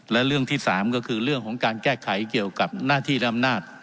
และเรื่องที่๓ก็คือเรื่องของการแก้ไขเกี่ยวกับหน้าที่ดำนาจ